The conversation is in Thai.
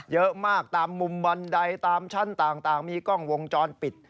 เยอะมากตามมุมบันไดตามชั้นต่างมีกล้องวงจรปิด